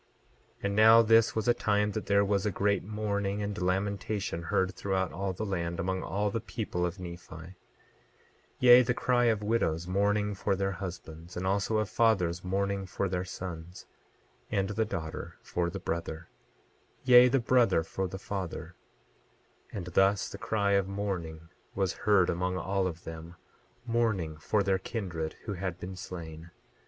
28:4 And now this was a time that there was a great mourning and lamentation heard throughout all the land, among all the people of Nephi— 28:5 Yea, the cry of widows mourning for their husbands, and also of fathers mourning for their sons, and the daughter for the brother, yea, the brother for the father; and thus the cry of mourning was heard among all of them, mourning for their kindred who had been slain.